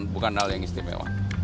bukan hal yang istimewa